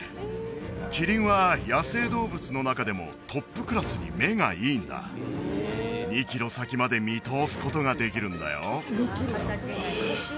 キリンは野生動物の中でもトップクラスに目がいいんだ２キロ先まで見通すことができるんだよ